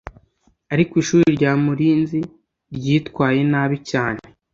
ariko ishuri rya mulinzi ryitwaye nabi cyane